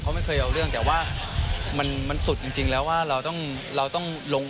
เขาไม่เคยเอาเรื่องแต่ว่ามันมันสุดจริงแล้วว่าเราต้องเราต้องลง